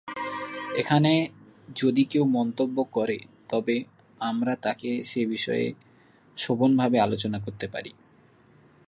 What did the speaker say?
এখানে যদি কেউ মন্তব্য করে তবে আমরা তাকে সেবিষয়ে শোভনভাবে আলোচনা করতে পারি।